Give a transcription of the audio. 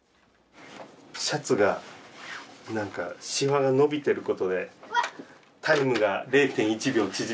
シャツが何かシワが伸びてることでタイムが０．１秒縮めば。